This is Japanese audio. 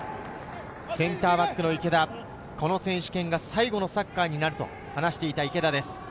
センターバックの池田、この選手権が最後のサッカーになると話していた池田です。